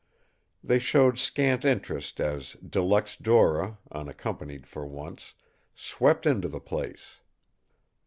They showed scant interest as De Luxe Dora, unaccompanied for once, swept into the place.